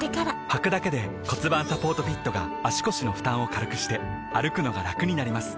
はくだけで骨盤サポートフィットが腰の負担を軽くして歩くのがラクになります